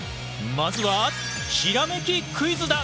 まずはひらめきクイズだ！